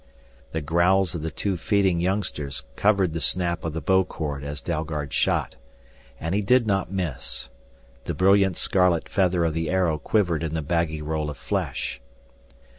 The growls of the two feeding youngsters covered the snap of the bow cord as Dalgard shot. And he did not miss. The brilliant scarlet feather of the arrow quivered in the baggy roll of flesh.